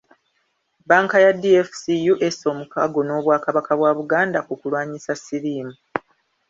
Bbanka ya DFCU, esse omukago n'Obwakabaka bwa Buganda ku kulwanyisa siriimu.